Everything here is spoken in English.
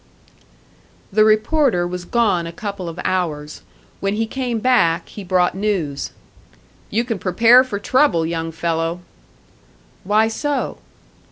The reporter was gone a couple of hours; when he came back, he brought news. "You can prepare for trouble, young fellow." "Why so?"